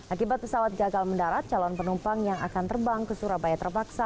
akibat pesawat gagal mendarat calon penumpang yang akan terbang ke surabaya terpaksa